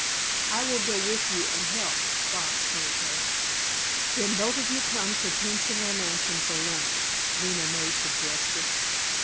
"I will go with you and help," Bobs told her. "Then both of you come to the Pensinger mansion for lunch," Lena May suggested.